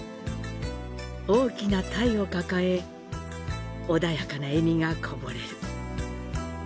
大きな鯛を抱え、穏やかな笑みがこぼれる。